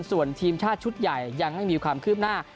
ส่วนทีมชาติชุดใหญ่ยังไม่มีความคืบหน้า